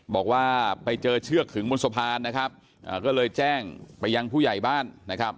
บอกว่าไปเจอเชือกขึงบนสะพานนะครับก็เลยแจ้งไปยังผู้ใหญ่บ้านนะครับ